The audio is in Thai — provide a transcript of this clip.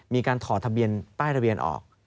ถอดทะเบียนป้ายทะเบียนออก